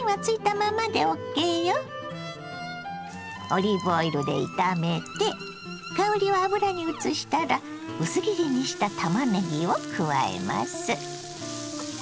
オリーブオイルで炒めて香りを油にうつしたら薄切りにしたたまねぎを加えます。